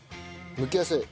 むきやすい。